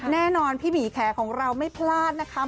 แน่นอนพี่หมีแขของเราไม่พลาดนะคะ